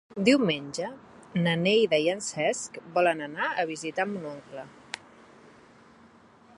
Diumenge na Neida i en Cesc volen anar a visitar mon oncle.